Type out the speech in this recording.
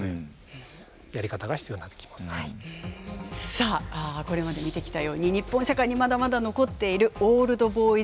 さあこれまで見てきたように日本社会にまだまだ残っているオールド・ボーイズ・ネットワークの壁。